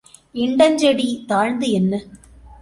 இண்டஞ்செடி தாழ்ந்து என்ன?